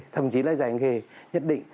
thậm chí là giải nghề nhất định